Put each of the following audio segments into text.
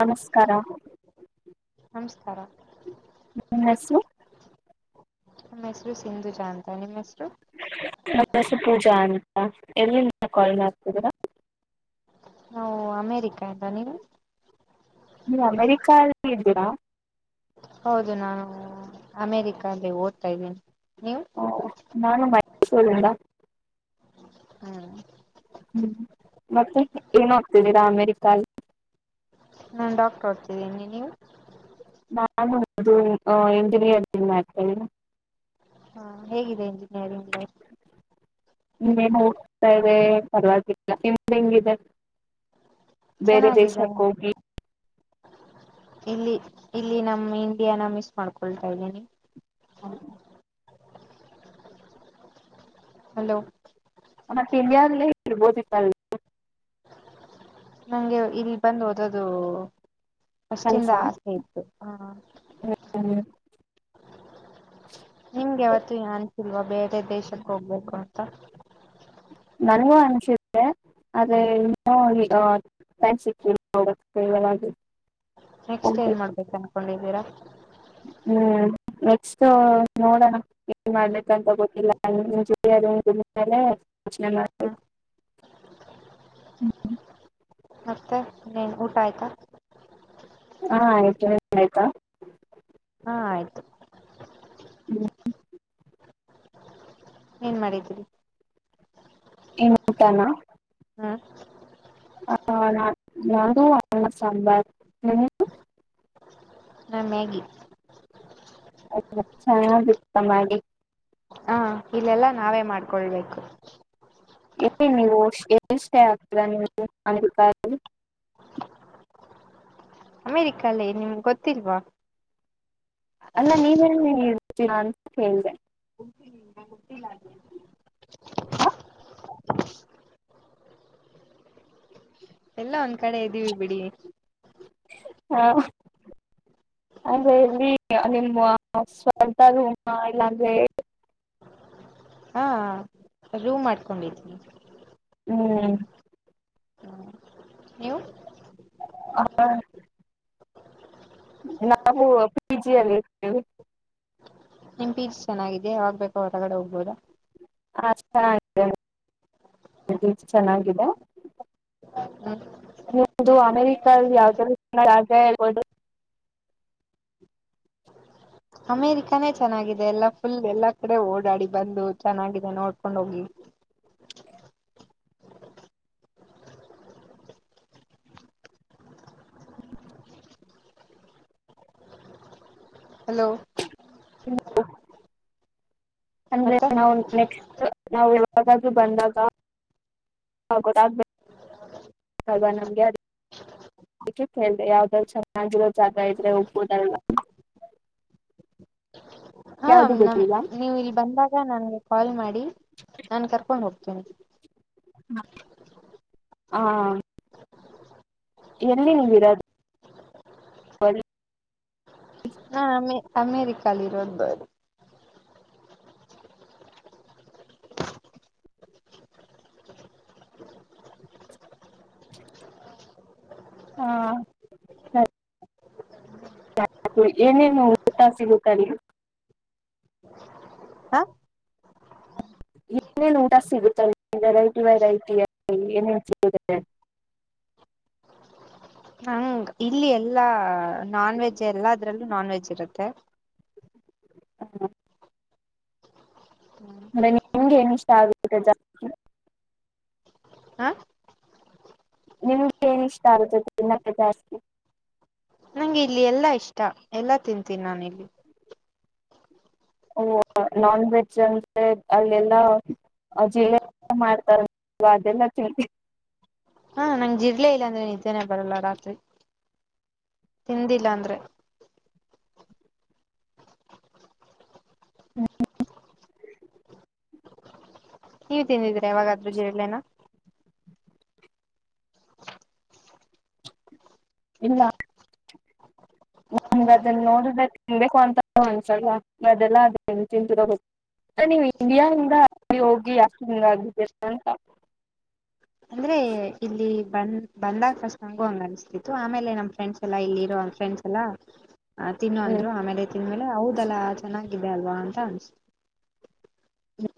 ನಮಸ್ಕಾರ ನಮಸ್ಕಾರ ನಿಮ್ ಹೆಸರು ನಮ್ಮ ಹೆಸರು ಸಿಂಧುಜಾ ಅಂತ ನಿಮ್ ಹೆಸರು ನಾನ್ ಹೆಸ್ರು ಪೂಜಾ ಅಂತ ಎಲ್ಲಿಂದ ಕಾಲ್ ಮಾಡ್ತಿದೀರಾ ನಾವು ಅಮೇರಿಕಾಯಿಂದ ನೀವು ನೀವು ಅಮೆರಿಕಾದಲ್ಲಿ ಇದ್ದೀರಾ ಹೌದು ನಾನು ಅಮೇರಿಕಾಗೆ ಓದ್ತಾ ಇದ್ದೀನಿ ನೀವು ಹೊಂ ನಾನು ಮೈಸೂರಿಂದ ಹಾಂ ಹ್ಮ್ ಮತ್ತೆ ಏನ್ ಓದ್ತಿದೀರಾ ಅಮೇರಿಕ ಅಲ್ಲಿ ನಾನ್ ಡಾಕ್ಟರ್ ಓದ್ತಿದ್ದೀನಿ ನೀವು ನಾನು ಅದು ಇಂಜಿನಿಯರಿಂಗ್ ಮಾಡ್ತೀನಿ ಹಾಂ ಹೇಗಿದೆ ಇಂಜಿನಿಯರಿಂಗ್ ಲೈಫ್ [unintelligible] ಹೋಗ್ತಾ ಇದೆ ಪರವಾಗಿಲ್ಲ ನಿಮ್ದ ಹೆಂಗಿದೆ ಬೇರೆ ಚೆನ್ನಾಗಿದೆ ದೇಶಕ್ಕೆ ಹೋಗಿ ಇಲ್ಲಿ ಇಲ್ಲಿ ನಮ್ ಇಂಡಿಯಾನ ಮಿಸ್ ಮಾಡ್ಕೊಳ್ತಾ ಇದೀನಿ ಹ್ಮ್ ಹಲೋ [unintelligible] ನಂಗೆ ಇಲ್ಲಿ ಬಂದ ಓದದು ಕನ್ಸ ಪಷ್ಟಿಂದ ಆಸೆ ಇತ್ತ ಹ [unintelligible] ನಿಂಗ ಯವತ್ತು ಏನಾಗಿಲ್ವಾ ಬೇರೆ ದೇಶಕ ಹೋಗ್ಬೇಕು ಅಂತ. ನಂಗೆ ಅನ್ಸುತ್ತೆ ಆದ್ರೆ ಇನ್ನ ಆ [unintelligible] ನೆಕ್ಸ್ಟ್ ಹೋಗ್ಬೇಕು ಏನ್ ಮಾಡ್ಬೇಕ ಅನ್ಕೊಂಡಿದ್ದೀರಾ. ಹ್ಮ ನೆಕ್ಸ್ಟ್ ನೋಡೋಣ. ಏನ್ ಮಾಡ್ಬೇಕಂತ ಗೊತ್ತಿಲ್ಲ [unintelligible] ಯೋಚನೆ ಹ್ಮ್ ಮಾಡ್ಬೇಕು. ಮತ್ತೆ ಏನ್ ಊಟ ಆಯ್ತಾ. ಹಾ ಆಯ್ತು ನಿಮ್ದ ಆಯ್ತಾ. ಹಾ ಆಯ್ತು. [unintelligible] ಏನ್ ಮಾಡಿದ್ದೀರಿ. ಏನ್ ಉಟಾನ ಹಾ [unintelligible] ನಾ ಮ್ಯಾಗಿ ಆಯ್ತು ಚೆನ್ನಾಗಿತ್ತ ಮ್ಯಾಗಿ. ಹ ಇಲ್ಲೆಲ್ಲಾ ನಾವೇ ಮಾಡ್ಕೊಳ್ಬೇಕು. ಏ ನೀವು [unintelligible] ಅಮೇರಿಕ ಅಲ್ಲೇ ನಿಮ್ಗ ಗೊತ್ತಿಲ್ವಾ. ಅಲ್ಲ ನೀವೇಲ್ಲಿ ಇರ್ತೀರ ಅಂತ ಕೇಳದೆ. [unintelligible] ಆ ಎಲ್ಲ ಒಂದ ಕಡೆ ಇದ್ದೀವಿ ಬಿಡಿ. ಹಾ ಅಂದ್ರೆ ಇಲ್ಲಿ ನಿಮ್ಮ ಸ್ವಂತ ರೂಮ ಇಲ್ಲಾಂದ್ರೆ ಹಾ ರೂಮ್ ಮಾಡ್ಕೊಂಡಿದ್ವಿ. ಹ್ಮ. ನೀವು [unintelligible] ನಾವು ಪಿಜಿ ಅಲ್ಲಿ ಇರ್ತೀವಿ. ನಿಮ್ ಪಿಜಿ ಚೆನ್ನಾಗಿದೆ ಯಾವಗ್ ಬೇಕ ಹೊರಗಡೆ ಹೋಗಬೋದ. [unintelligible] ಚೆನ್ನಾಗಿದೆ. ಹ್ಮ್ ನಿವುದು ಅಮೆರಿಕಲ್ಲಿ ಯಾವ್ದ [unintelligible] ಇರ್ಬೋದು. ಅಮೇರಿಕಾನೇ ಚೆನ್ನಾಗಿದೆ ಎಲ್ಲಾ ಫುಲ್ ಎಲ್ಲಾ ಕಡೆ ಓಡಾಡಿ ಬಂದು ಚೆನ್ನಾಗಿದೆ ನೋಡ್ಕೊಂಡ ಹೋಗಿ. [inaudible] ಹಲೋ [unintelligible] ಅಂದ್ರೆ ಮತ್ತೆ ನಾವ್ ನೆಕ್ಸ್ಟ್ ನಾವ ಯಾವಾಗಾದ್ರು ಬಂದಾಗ ಆಗ ಗೊತ್ತಬ ದದ ನಮಗ್ಯಾಡ ಕೇಳ್ದೆ ಯಾವ್ದ್ರರು ಚೆನ್ನಾಗಿರೋ ಜಾಗ ಇದ್ರೆ ಹೋಗಬೋದ ಅಲ್ವಾ. ಹಾ ಯಾವ್ದು ನಮ ಗೊತ್ತಿಲ್ಲ ನೀವು ಇಲ್ಲಿ ಬಂದಾಗ ನನ್ಗೆ ಕಾಲ್ ಮಾಡಿ ನಾನು ಕರ್ಕೊಂಡು ಹೋಗ್ತೀನಿ ಹಾ ಎಲ್ಲಿ ನಿವ ಇರೋದು ಹಾ ಅಮೇ ಅಮೇರಿಕದಲ್ಲಿ ಇರೋದು ಹಾ ಏನೇನು ಊಟಾ ಸಿಗುತ್ತಲ್ಲಿ ಹಾ ಏನೇನ್ ಊಟ ಸಿಗುತ್ತಲ್ಲ ವೆರೈಟಿ ವೆರೈಟಿ ಏನೇನ್ ಸಿಗುತ್ತೆ ಅಲ್ಲಿ ನಂಗ್ ಇಲ್ಲಿ ಎಲ್ಲಾ ನಾನ್ ವೆಜ್ ಎಲ್ಲಾ ಅದ್ರಲ್ಲೂ ನಾನ್ ವೆಜ್ ಇರುತ್ತೆ ಅಂದ್ರೆ ನಿಮ್ಗೆ ಏನ್ ಇಷ್ಟ ಆಗುತ್ತೆ ಜಾ ಹಾ ನಿಮ್ಗೆ ಏನ್ ಇಷ್ಟ ಆಗತನ್ನ ಜಾಸ್ತಿ [inaudible] ನಂಗೆ ಇಲ್ಲಿ ಎಲ್ಲಾ ಇಷ್ಟ ಎಲ್ಲಾ ತಿಂತೀನಿ ನಾನು ಇಲ್ಲಿ ಓ ನಾನ್ ವೆಜ್ ಅಂದ್ರೆ ಅಲ್ಲೆಲ್ಲಾ ಜಿರಲೆ ಮಾಡ್ತಾರವಾ ಅದೆಲ್ಲ ತಿಳ್ ಹಾ ನಂಗ್ ಜಿರ್ಲೆ ಇಲ್ಲ ಅಂದ್ರೆ ನಿದ್ದೇನೆೇ ಬರಲ್ಲ ರಾತ್ರಿ ತಿಂದಿಲ್ಲ ಅಂದ್ರೆ ಹಾ ನೀವು ತಿಂದಿದ್ರಾ ಯವಾಗಾದ್ರೂ ಜೀರಲೆನಾ ಇಲ್ಲಾ ನಂಗ ಅದನ್ನ ನೋಡ್ರೆ ತಿನ್ಬೇಕು ಅಂತ ಅನ್ಸಲ್ ಅದೆಲ್ಲಾ ಅದ ತಿಂತರ ಗ ನೀವು ಇಂಡಿಯಾದಲ್ಲಿ ಅಲ್ಲಿ ಹೋಗಿ ಯಾಕ ಹಂಗ ಆಗಿದ್ದೀ ಅಂತ ಅಂದ್ರೆ ಇಲ್ಲಿ ಬಂದ್ ಬಂದಾಗ ಫಸ್ಟ್ ಹಂಗು ಹಂಗ ಅನಸ್ತಿತ್ತು ಆಮೇಲೆ ನಮ್ಮ ಫ್ರೆಂಡ್ಸ್ ಎಲ್ಲಾ ಇಲ್ಲಿ ಇರೋಂಗ ಫ್ರೆಂಡ್ಸ್ ಎಲ್ಲಾ ಆ ತಿನ್ನುವ ಹ್ಮ್ ಅಂದ್ರು ಆಮೇಲೆ ತಿಂದ್ಮೇಲೆ ಹೌದಲ್ಲಾ ಚೆನ್ನಾಗಿದೆ ಅಲ್ವಾ ಅಂತ ಅನ್ಸತು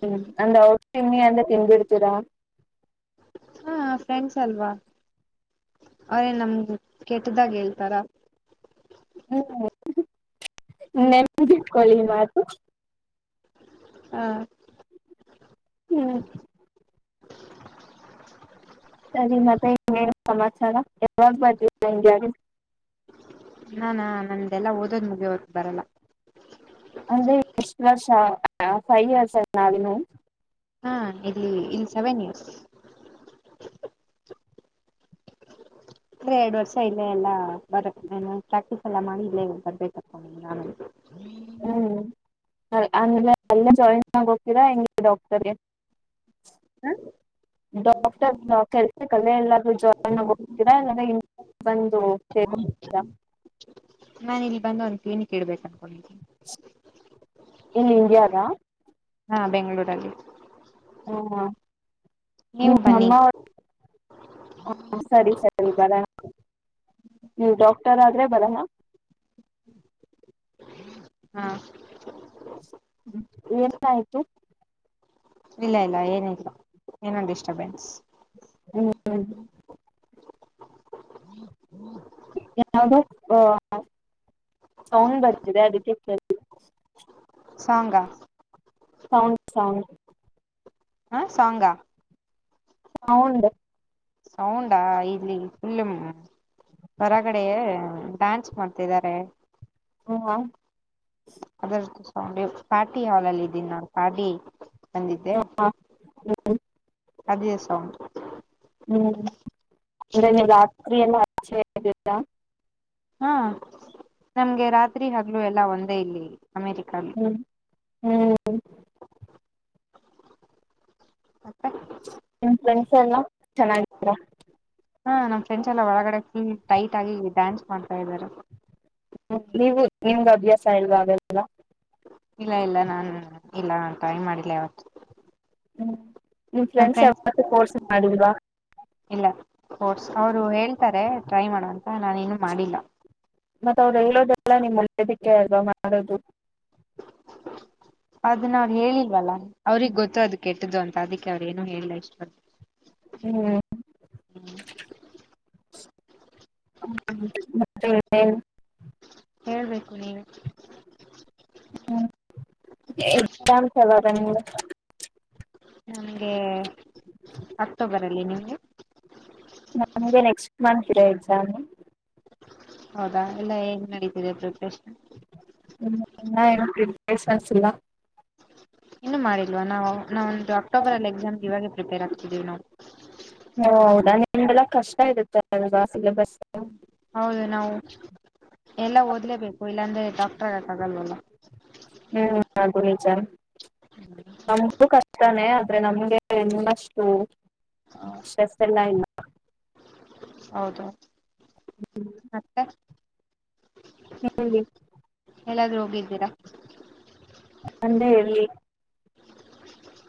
ಹ್ಮ್ ಅಂದ್ ಔಟ್ ತಿಮ್ಮಿ ಅಂದ ತಿಂದಬಿಡ್ತೀರಾ ಹಾ ಫ್ರೆಂಡ್ಸ್ ಅಲ್ವಾ ಅವ್ರೇ ನಮ್ ಕೆಟ್ಟದ್ದಾಗಿ ಹೇಳ್ತಾರ ಹ್ಮ್ ನೆನಪಿಗಿಟ್ಕೊಳ್ಳಿ ಮಾತು ಹಾ ಹ್ಮ್ [unintelligible] ನಾನಾ ನಂದ್ದೆಲ್ಲ ಓದೋದ್ ಮುಗಿಯವರೆಗೆ ಬರಲ್ಲ ಅದೇ ಎಷ್ಟು ವರ್ಷ ಫೈವ್ ಇಯರ್ಸ್ ನಳ [unintelligible] ಹಾ ಇಲ್ಲಿ ಇಲ್ಲಿ ಸೆವೆನ್ ಇಯರ್ಸ್ ಅಂದರೆ [unintelligible] ಎರಡು ವರ್ಷ ಇಲ್ಲೇ ಎಲ್ಲಾ ಬರ ಪ್ರಾಕ್ಟೀಸ್ ಎಲ್ಲಾ ಮಾಡಿ ಇಲ್ಲೇ ಬರ್ಬೇಕಪ್ಪ ನಾನ ಹ ಹ್ಮ್ ಅಂದ್ರೆ ಅಲ್ಲ ಜಾಯಿನ್ ಆಗೋಗ್ತೀರಾ ಹೆಂಗ್ಗೆ ಡಾಕ್ಟರ್ಗೆ ಡಾಕ್ಟರ್ [unintelligible] ಕಲೆ ಎಲ್ಲಾದ್ರೂ ಜಾಯನ್ ಆಗೋಗ್ತೀರಾ ಇಲ್ಲ್ರೆ ಇ ಬಂದು [unintelligible] ನಾನು ಇಲ್ಲಿ ಬಂದು ಒಂದು ಕ್ಲಿನಿಕ್ ಇಡ್ಬೇಕು ಅನ್ಕೊಂಡಿದ್ದೀನಿ ಈ ಇಂಡಿಯಾರ ಹಾ ಬೆಂಗಳೂರಲ್ಲಿ ಹಾ ನೀವು ಬನ್ನಿ ನಿಮ್ಮಮ್ಮ [unintelligible] ಹ ಸರಿ ಸರಿ ಬರ [unintelligible] ನೀ ಡಾಕ್ಟರ್ ಆದ್ರೆ ಬರಲ್ಲಾ ಹಾ ಏನ್ ಆಯ್ತು ಇಲ್ಲ ಇಲ್ಲ ಏನ ಇಲ್ಲ ಏನೋ ಡಿಸ್ಟರ್ಬೆನ್ಸ್ ಹ್ಮ್ ಯೋ ಆ ಸೌಂಡ್ ಬರ್ತಿದೆ ಅದಕ್ಕೆ ಕೇಳಿದ್ದು ಸಾಂಗ್ ಹ ಸಾಂಗ್ ಸಾಂಗ್ ಹ ಸಾಂಗಾ ಸೌಂಡ್ ಸೌಂಡಾ ಇಲ್ಲಿ ಫುಲ್ ಹೊರಗಡೆ ಡಾನ್ಸ್ ಮಾಡ್ತಿದ್ದಾರೆ ಹಾ ಅದ ಪಾರ್ಟಿ ಹಾಲ್ ಅಲ್ಲಿ ಇದ್ದೀನಿ ನಾನು ಪಾರ್ಟಿ ಬಂದಿದ್ದೆ ಅದೆ ಸೌಂಡ್ ಹ್ಮ್ ಅಂದ್ರೆ ನೀವು ರಾತ್ರಿ ಎಲ್ಲ ಅಚೆ ಆತ್ತಾ ಹಾ ನಂಗೆ ರಾತ್ರಿ ಹಗಲು ಎಲ್ಲ ಒಂದೇ ಇಲ್ಲಿ ಅಮೆರಿಕ ಹ್ಮ್ ಹ್ಮ್ ಮತ್ತೆ ನಿಮ್ ಫ್ರೆಂಡ್ಸ್ ಎಲ್ಲ ಚೆನ್ನಾಗಿದಾರ ಹಾ ನಮ್ ಫ್ರೆಂಡ್ಸ್ ಎಲ್ಲ ಒಳಗಡೆ ಟೈಟ್ ಆಗಿ ಡ್ಯಾನ್ಸ್ ಮಾಡ್ತಾ ಇದಾರೆ ಹ ನೀವು ನಿಮ್ಗೆ ಅಭ್ಯಾಸ ಇಲ್ವ ಅದು ಎಲ್ಲ ಇಲ್ಲ ಇಲ್ಲ ನಾ ಇಲ್ಲ ನಾ ಟ್ರೈ ಮಾಡಿಲ್ಲ ಯಾವತ್ತು ಹ್ಞೂ ನಿಮ್ಮ ಫ್ರೆಂಡ್ಸ್ ಯಾವತ್ತೂ ಫೋರ್ಸ್ ಮಾಡಿದ್ವಾ ಇಲ್ಲ ಫೋರ್ಸ್ ಅವರು ಹೇಳ್ತಾರೆ ಟ್ರೈ ಮಾಡುವ ಅಂತ ನಾನು ಇನ್ನು ಮಾಡಿಲ್ಲ ಮತ್ತತ್ ಅವ್ರು ಹೇಳೋದೆಲ್ಲ ನಿಮ್ಮ್ ಒಳ್ಳದಕ್ಕೆ ಅಲ್ವಾ ಮಾಡೋದು ಹ [inaudible] ಅದನ್ನ ಅವ್ರು ಹೇಳಿಲ್ವಲ್ಲ ಅವ್ರಗ್ ಗೊತ್ತು ಅದ ಕೆಟ್ಟದ್ದು ಅಂತ ಅದಕ್ಕೆ ಅವ್ರ ಏನು ಹೇಳಿಲ್ಲ ಇಷ್ಟು ಅ ಹ್ಮ್ ಹ ಮತ್ತ ಹೇಳ್ಬೇಕು ನೀವೆ ಎಲ್ಲಾಮ ಚವರ ನನಗೆ ಅಕ್ಟೋಬರ ಅಲ್ಲಿ ನಿಮಗೆ ನಮಗೆ ನೆಕ್ಸ್ಟ್ ಮಂತ್ ಇರೋ ಎಕ್ಸಾಮ್ ಹೌದಾ ಎಲ್ಲ ಹೇಗ್ ನಡೀತಿದೆ ಪ್ರಿಪೇರೇಷನ್ ಹ್ಮ ಇನ್ನ ಏನು ಪ್ರಿಪೇರೇಷನ್ಸ್ ಇಲ್ಲ ಇನ್ನು ಮಾಡಿಲ್ವ ನಾವು ನಾವಂದು ಅಕ್ಟೋಬರ್ ಅಲ್ಲಿ ಎಕ್ಸಾಮ್ಗೆ ಇವಾಗೆ ಪ್ರಿಪೇರ್ ಆಗ್ತಿದೀವಿ ನಾವು ಹ ಹೌದಾ ನಿಮ್ ಎಲ್ಲ ಕಷ್ಟ ಇರುತ್ತೆ ಅಲ್ವಾ ಸಿಲೆಬಸ್ ಹೌದು ನಾವು ಎಲ್ಲಾ ಓದ್ಲೇಬೇಕು ಇಲ್ಲಾಂದ್ರೆ ಡಾಕ್ಟರ್ ಹಾಗಾಕ್ಕೇ ಆಗಲ್ವಲ್ಲ ಹ್ಮ್ ಅದು ನಿಜ ಹ್ಮ್ ನಮಗು ಕಷ್ಟನೇ ಆದ್ರೆ ನಮ್ಗೆ ಇನ್ನಷ್ಟು ಸ್ಟ್ರೆಸ್ ಎಲ್ಲ ಇಲ್ಲ ಹೌದು ಮತ್ತೆ ಹೇಳ್ಬೇಕು ಎಲ್ಲಾದ್ರೂ ಹೋಗಿ ಇದ್ದೀರಾ. ಅಂದೇ ಎಲ್ಲಿ.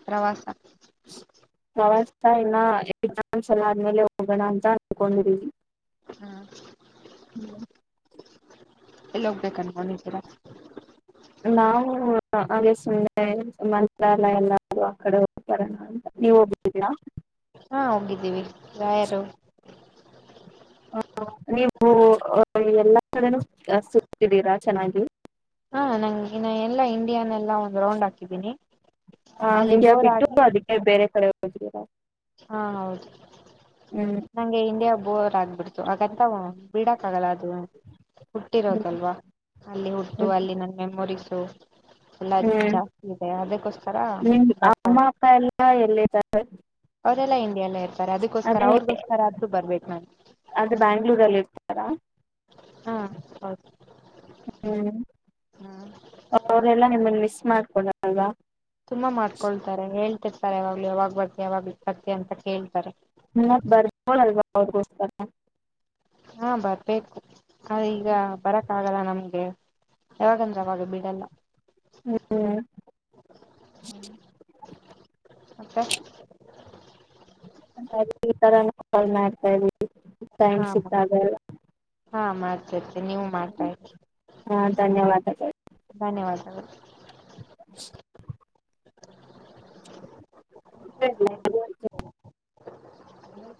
ಪ್ರವಾಸ. ಪ್ರವಾಸ ಇಲ್ಲ ಎಕ್ಸಾಸ್ ಎಲ ಆದ್ಮೇಲೆ ಹೋಗೋಣ ಅಂತ ಅನ್ಕೊಂಡ್ರೀವಿ. ಹ್ಮ್ [inaudible] ಎಲ್ಲಿ ಹೋಗ್ಬೇಕ ಅನ್ಕೊಂಡಿರ. ನಾವು ಹಾಗೆ ಸುಮ್ನೆ ಮಂತ್ರಾಲಯ ಎಲ್ಲ ಆ ಕಡೆ ಹೋಗ್ತರೋಣ. [unintelligible] [unintelligible] ಹಾ ಹೋಗಿದ್ದೀವಿ ರಾಯರು. ಹ ನೀವು ಎಲ್ಲಾ ಕಡೆನೂ ಸುತ್ತಿದ್ದೀರಾ ಚೆನ್ನಾಗಿ. ಹಾ ನಂಗೆ ಎಲ್ಲಾ ಇಂಡಿಯಾನೆಲ್ಲಾ ಒಂದ ರೌಂಡ್ ಹಾಕಿದೀನಿ ಆ, ಅಲ್ಲಿ ಇಂಡಿಯಾ ಬೋರ್ ಬಿಟ್ಟು ಆಗಿ ಅದಕ್ಕೆ ಬೇರೆ ಕಡೆ ಹೋದ್ರಿ ಹಾ ಹೌದು. ನಂಗೆ ಇಂಡಿಯಾ ಬೋರ್ ಆಗ್ಬಿಡ್ತು ಹಾಗಂತ ಬಿಡಕ್ ಆಗಲ್ಲ ಅದು. ಹ್ಮ್, ಹುಟ್ಟಿರೋದಲ್ವಾ ಅಲ್ಲಿ ಹುಟ್ಟು ಹ್ಮ್ ಅಲ್ಲಿ ನನ್ನ ಮೆಮೊರೀಸು. ಎಲ್ಲ ಹ್ಮ್ ಜಾಸ್ತಿ ಇದೆ ಅದಕ್ಕೋಸ್ಕರ. ನಿಮ್ [unintelligible] [inaudible] ಎಲ್ಲ ಎಲ್ಲಿದ್ದಾರೆ. ಅವ್ರೆಲ್ಲಾ ಇಂಡಿಯಲ್ಲ ಇರ್ತಾರೆ ಅದಕ್ಕೋಸ್ಕರ ಅವ್ರಿಗೋಸ್ಕರ ಆದ್ರೂ ಬರ್ಬೇಕು ನಾನು. ಅದ ಬ್ಯಾಂಗ್ಳೂರಲ್ಲಿ ಇರ್ತಾರಾ. ಹಾ ಹೌದು. ಹ್ಮ್ ಹ್ಮ ಅವರೆಲ್ಲ ನಿಮ್ಮನ್ನು ಮಿಸ್ ಮಾಡ್ಕೊಡ ತುಂಬಾ ಮಾಡ್ಕೊಳ್ತಾರೆ ಹೇಳ್ತಿರ್ತಾರೆ ಯಾವಾಗ್ಲ ಯಾವಾಗ್ ಬರ್ತಿ ಯಾವಾಗ್ಲಿ ಬರ್ತಿ ಅಂತ ಕೇಳ್ತಾರೆ. ಮ್ಮ ಬರ್ಬೋಳಲ್ವಾ ಅವ್ರಗೋಸ್ಕರ. ಹಾ ಬರ್ಬೇಕು ಈಗ ಬರಕ್ ಆಗಲ್ಲ ನಮ್ಗೆ. ಯಾವಾಗಂದ್ರೆ ಅವಾಗ ಬಿಡಲ್ಲ. ಹ್ಮ್. ಮತ್ತೆ [inaudible] ಅದಕ್ಕೆ ಈ ತರ ಎಲ್ಲಾ ಕಾಲ್ ಮಾಡ್ತಾ ಇದವಿ ಟೈಮ್ ಹಾ ಸಿಕ್ತಾಗ ಎಲ್ಲಾ. ಹಾ ಮಾಡ್ತಿರ್ತೀನಿ ನೀವು ಮಾಡ್ತಾ ಇರಿ. ಹಾ ಧನ್ಯವಾದಗಳು. ಧನ್ಯವಾದಗಳು. [inaudible]